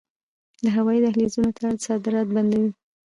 د هوایی دهلیزونو تړل صادرات بندوي.